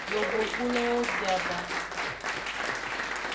Yovogbulowo bia ba.